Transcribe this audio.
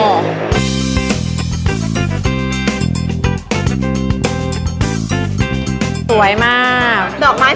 พี่ดาขายดอกบัวมาตั้งแต่อายุ๑๐กว่าขวบ